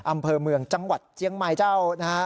อำเภอเมืองจังหวัดเจียงไมค์เจ้า